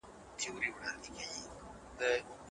مور چي ملاتړ کوي اغېز لري.